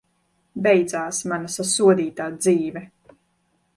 Beidzās mana sasodītā dzīve!